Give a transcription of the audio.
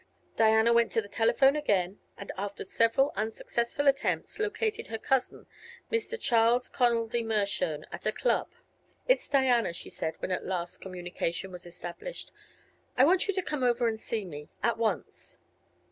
Diana went to the telephone again and after several unsuccessful attempts located her cousin, Mr. Charles Connoldy Mershone, at a club. "It's Diana," she said, when at last communication was established. "I want you to come over and see me; at once."